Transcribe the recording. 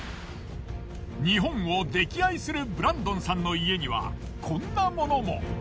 日本を溺愛するブランドンさんの家にはこんなものも。